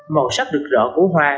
màu sắc được rõ của hoa